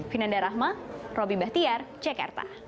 vinanda rahma robby bahtiar jakarta